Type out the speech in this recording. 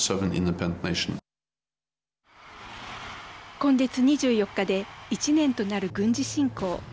今月２４日で１年となる軍事侵攻。